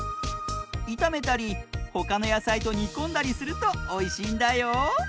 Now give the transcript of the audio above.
いためたりほかのやさいとにこんだりするとおいしいんだよ。